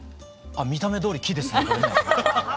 見た目どおり木ですねこれね。